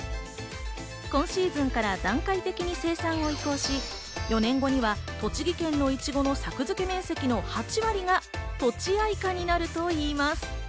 今シーズンから段階的に生産を開始し、４年後には栃木県のいちごの作付面積の８割が、とちあいかになるといいます。